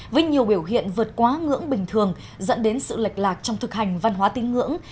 với nhiều biểu hiện vượt quá ngưỡng bình thường dẫn đến sự lệch lạc trong thực hành văn hóa tín ngưỡng